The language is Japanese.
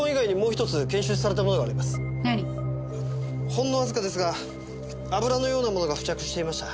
ほんのわずかですが油のようなものが付着していました。